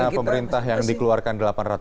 jadi dana pemerintah yang dikeluarkan